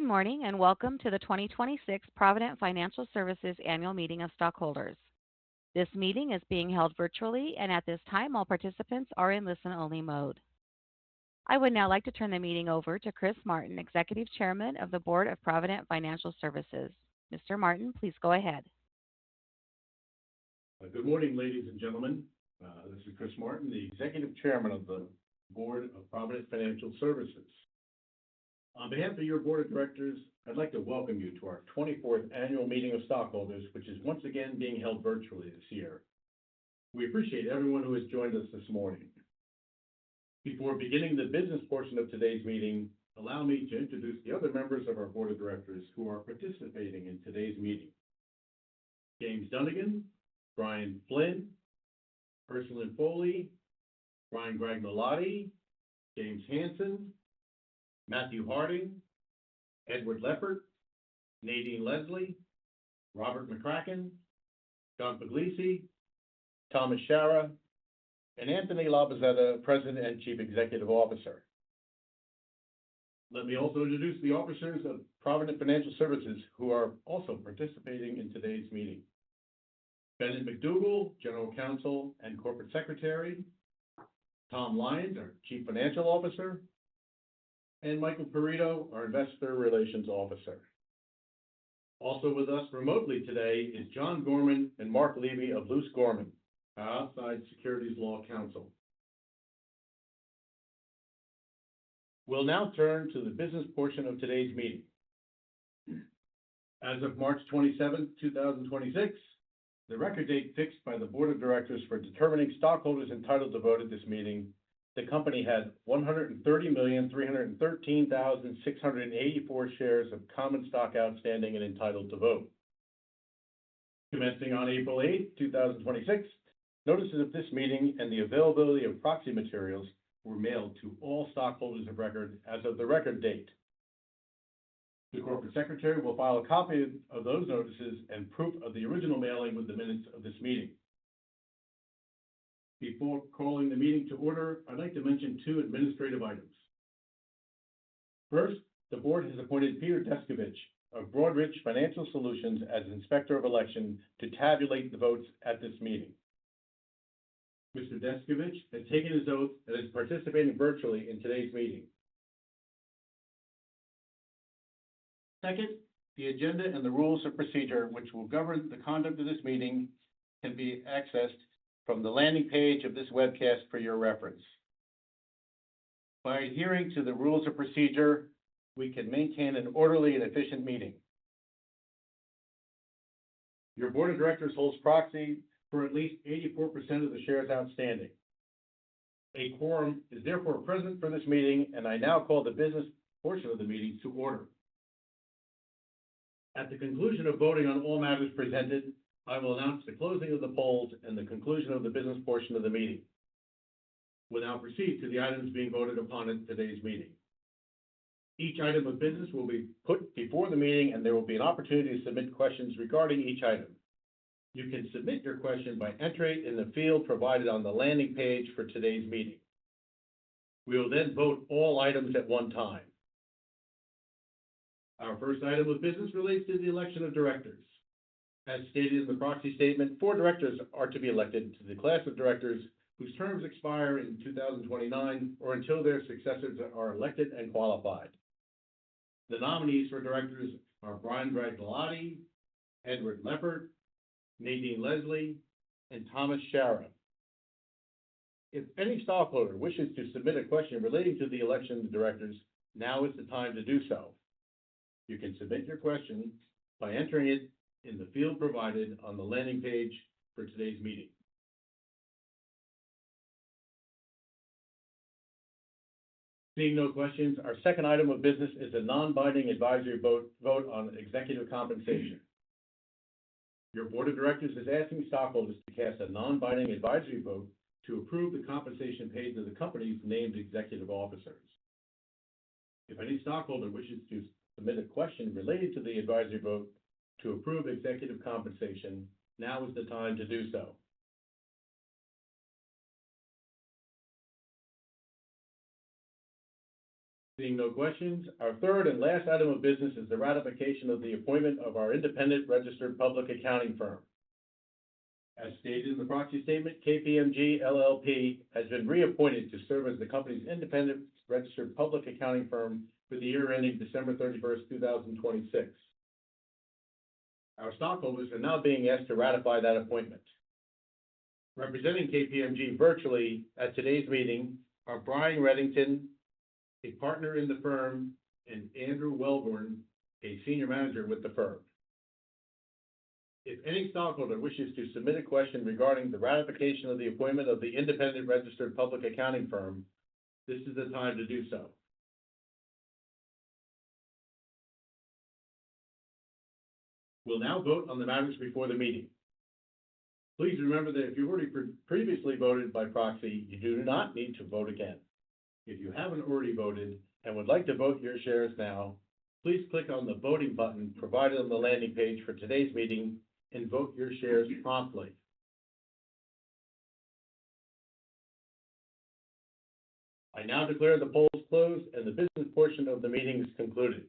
Good morning. Welcome to the 2026 Provident Financial Services Annual Meeting of Stockholders. This meeting is being held virtually, and at this time, all participants are in listen-only mode. I would now like to turn the meeting over to Chris Martin, Executive Chairman of the Board of Provident Financial Services. Mr. Martin, please go ahead. Good morning, ladies and gentlemen. This is Chris Martin, the Executive Chairman of the Board of Provident Financial Services. On behalf of your board of directors, I'd like to welcome you to our 24th Annual Meeting of Stockholders, which is once again being held virtually this year. We appreciate everyone who has joined us this morning. Before beginning the business portion of today's meeting, allow me to introduce the other members of our board of directors who are participating in today's meeting. James P. Dunigan, Brian M. Flynn, Ursuline Foley, Brian A. Gragnolati, James E. Hanson II, Matthew K. Harding, Edward J. Leppert, Nadine Leslie, Robert E. McCracken, John Pugliese, Thomas J. Shara, and Anthony J. Labozzetta, President and Chief Executive Officer. Let me also introduce the officers of Provident Financial Services who are also participating in today's meeting. Bennett MacDougall, General Counsel and Corporate Secretary, Thomas M. Lyons, our Chief Financial Officer, and Michael A. Perito, our Investor Relations Officer. Also with us remotely today is John Gorman and Marc Levy of Luse Gorman, our outside securities law counsel. We'll now turn to the business portion of today's meeting. As of March 27th, 2026, the record date fixed by the board of directors for determining stockholders entitled to vote at this meeting, the company had 130,313,684 shares of common stock outstanding and entitled to vote. Commencing on April 8th, 2026, notices of this meeting and the availability of proxy materials were mailed to all stockholders of record as of the record date. The corporate secretary will file a copy of those notices and proof of the original mailing with the minutes of this meeting. Before calling the meeting to order, I'd like to mention two administrative items. First, the board has appointed Peter Deskovich of Broadridge Financial Solutions as Inspector of Election to tabulate the votes at this meeting. Mr. Deskovich has taken his oath and is participating virtually in today's meeting. Second, the agenda and the rules of procedure which will govern the conduct of this meeting can be accessed from the landing page of this webcast for your reference. By adhering to the rules of procedure, we can maintain an orderly and efficient meeting. Your board of directors holds proxy for at least 84% of the shares outstanding. A quorum is therefore present for this meeting, and I now call the business portion of the meeting to order. At the conclusion of voting on all matters presented, I will announce the closing of the polls and the conclusion of the business portion of the meeting. We now proceed to the items being voted upon at today's meeting. Each item of business will be put before the meeting, and there will be an opportunity to submit questions regarding each item. You can submit your question by entering in the field provided on the landing page for today's meeting. We will then vote all items at one time. Our first item of business relates to the election of directors. As stated in the proxy statement, four directors are to be elected to the class of directors whose terms expire in 2029 or until their successors are elected and qualified. The nominees for directors are Brian A. Gragnolati, Edward J. Leppert, Nadine Leslie, and Thomas J. Shara. If any stockholder wishes to submit a question relating to the election of the directors, now is the time to do so. You can submit your question by entering it in the field provided on the landing page for today's meeting. Seeing no questions, our second item of business is a non-binding advisory vote on executive compensation. Your board of directors is asking stockholders to cast a non-binding advisory vote to approve the compensation paid to the company's named executive officers. If any stockholder wishes to submit a question related to the advisory vote to approve executive compensation, now is the time to do so. Seeing no questions, our third and last item of business is the ratification of the appointment of our independent registered public accounting firm. As stated in the proxy statement, KPMG LLP has been reappointed to serve as the company's independent registered public accounting firm for the year ending December 31st, 2026. Our stockholders are now being asked to ratify that appointment. Representing KPMG virtually at today's meeting are Brian Reddington, a Partner in the firm, and Andrew Welborn, a Senior Manager with the firm. If any stockholder wishes to submit a question regarding the ratification of the appointment of the independent registered public accounting firm, this is the time to do so. We'll now vote on the matters before the meeting. Please remember that if you already previously voted by proxy, you do not need to vote again. If you haven't already voted and would like to vote your shares now, please click on the voting button provided on the landing page for today's meeting and vote your shares promptly. I now declare the polls closed and the business portion of the meeting is concluded.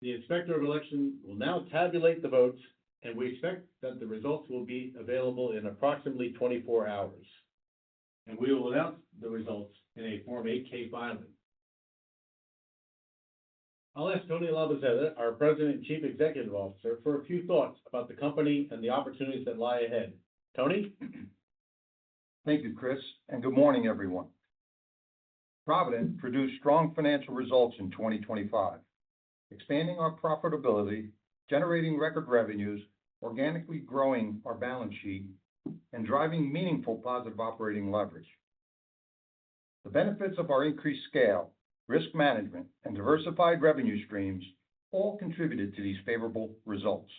The Inspector of Election will now tabulate the votes, and we expect that the results will be available in approximately 24 hours. We will announce the results in a Form 8-K filing. I'll ask Tony Labozzetta, our President and Chief Executive Officer, for a few thoughts about the company and the opportunities that lie ahead. Tony? Thank you, Chris, and good morning, everyone. Provident produced strong financial results in 2025, expanding our profitability, generating record revenues, organically growing our balance sheet, and driving meaningful positive operating leverage. The benefits of our increased scale, risk management, and diversified revenue streams all contributed to these favorable results,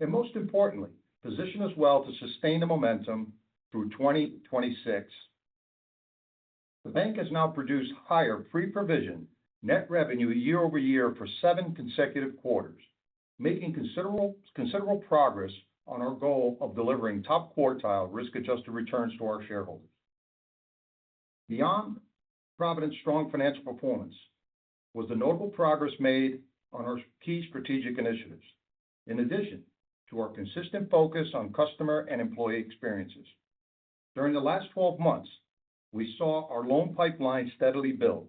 and most importantly, position us well to sustain the momentum through 2026. The bank has now produced higher pre-provision net revenue year-over-year for seven consecutive quarters, making considerable progress on our goal of delivering top quartile risk-adjusted returns to our shareholders. Beyond Provident's strong financial performance was the notable progress made on our key strategic initiatives, in addition to our consistent focus on customer and employee experiences. During the last 12 months, we saw our loan pipeline steadily build,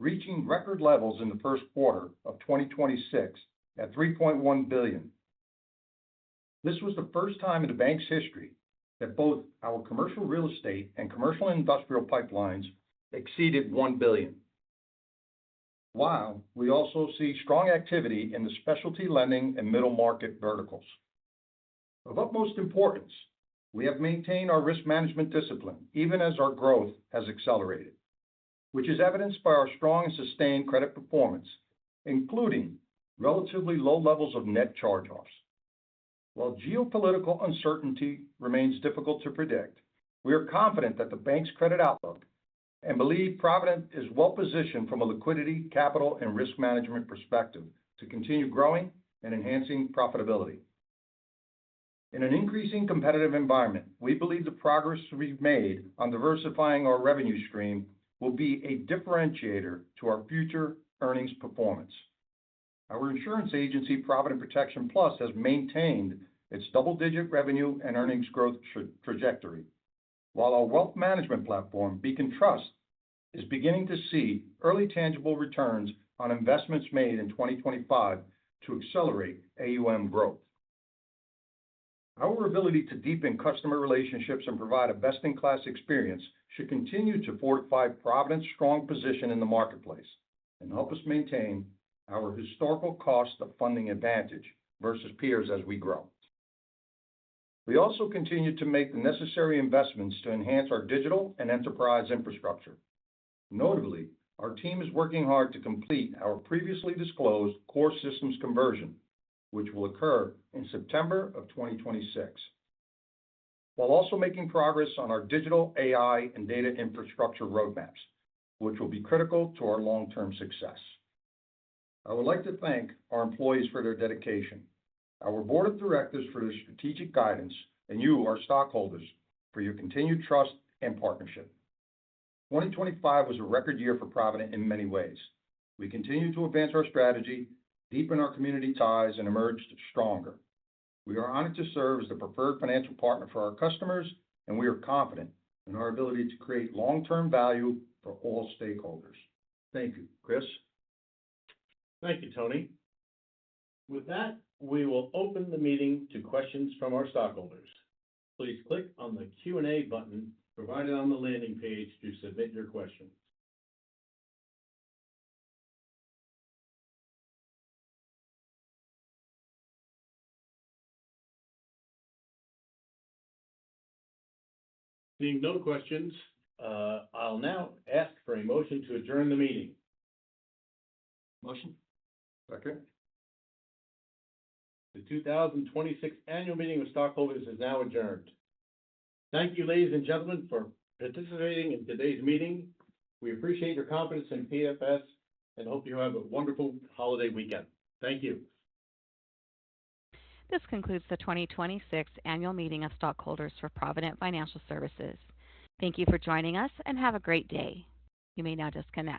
reaching record levels in the first quarter of 2026 at $3.1 billion. This was the first time in the bank's history that both our commercial real estate and commercial industrial pipelines exceeded $1 billion. While we also see strong activity in the specialty lending and middle market verticals. Of utmost importance, we have maintained our risk management discipline even as our growth has accelerated, which is evidenced by our strong and sustained credit performance, including relatively low levels of net charge-offs. While geopolitical uncertainty remains difficult to predict, we are confident that the bank's credit outlook and believe Provident is well-positioned from a liquidity, capital, and risk management perspective to continue growing and enhancing profitability. In an increasing competitive environment, we believe the progress we've made on diversifying our revenue stream will be a differentiator to our future earnings performance. Our insurance agency, Provident Protection Plus, has maintained its double-digit revenue and earnings growth trajectory. While our wealth management platform, Beacon Trust, is beginning to see early tangible returns on investments made in 2025 to accelerate AUM growth. Our ability to deepen customer relationships and provide a best-in-class experience should continue to fortify Provident's strong position in the marketplace and help us maintain our historical cost of funding advantage versus peers as we grow. We also continue to make the necessary investments to enhance our digital and enterprise infrastructure. Notably, our team is working hard to complete our previously disclosed core systems conversion, which will occur in September of 2026, while also making progress on our digital AI and data infrastructure roadmaps, which will be critical to our long-term success. I would like to thank our employees for their dedication, our board of directors for their strategic guidance, and you, our stockholders, for your continued trust and partnership. 2025 was a record year for Provident in many ways. We continue to advance our strategy, deepen our community ties, and emerged stronger. We are honored to serve as the preferred financial partner for our customers, and we are confident in our ability to create long-term value for all stakeholders. Thank you. Chris? Thank you, Tony. With that, we will open the meeting to questions from our stockholders. Please click on the Q&A button provided on the landing page to submit your questions. Seeing no questions, I'll now ask for a motion to adjourn the meeting. Motion. Second. The 2026 annual meeting of stockholders is now adjourned. Thank you, ladies and gentlemen, for participating in today's meeting. We appreciate your confidence in PFS, and hope you have a wonderful holiday weekend. Thank you. This concludes the 2026 annual meeting of stockholders for Provident Financial Services. Thank you for joining us, and have a great day. You may now disconnect.